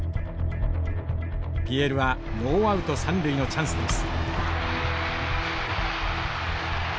ＰＬはノーアウト三塁のチャンスです。